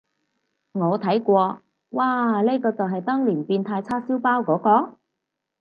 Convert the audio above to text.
我睇過，嘩，呢個就係當年變態叉燒包嗰個？